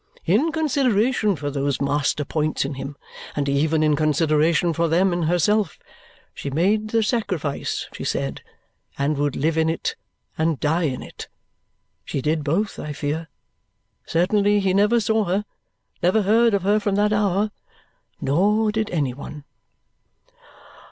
In consideration for those master points in him, and even in consideration for them in herself, she made the sacrifice, she said, and would live in it and die in it. She did both, I fear; certainly he never saw her, never heard of her from that hour. Nor did any one."